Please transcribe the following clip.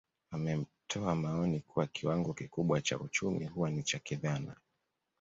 Wametoa maoni kuwa kiwango kikubwa cha uchumi huwa ni cha kidhana